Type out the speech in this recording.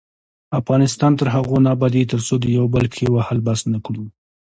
افغانستان تر هغو نه ابادیږي، ترڅو د یو بل پښې وهل بس نکړو.